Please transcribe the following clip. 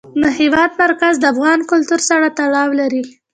د هېواد مرکز د افغان کلتور سره تړاو لري.